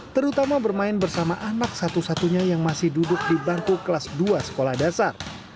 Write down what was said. terutama bermain bersama anak satu satunya yang masih duduk di bangku kelas dua sekolah dasar